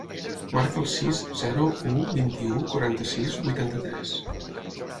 Marca el sis, zero, u, vint-i-u, quaranta-sis, vuitanta-tres.